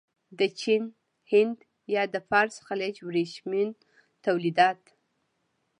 د چین، هند یا د فارس خلیج ورېښمین تولیدات.